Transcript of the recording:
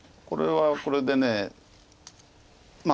これはこれで。